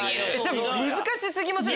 難し過ぎません？